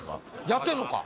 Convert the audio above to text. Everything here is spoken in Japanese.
やってんのか？